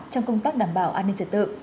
trong công tác đảm bảo an ninh trật tự